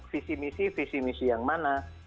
visi misi visi misi yang mana